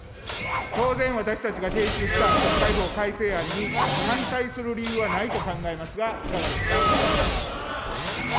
当然、私たちが提出した国会法改正案に反対する理由はないと考えますが、いかがですか。